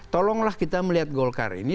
tolonglah kita melihat golkar ini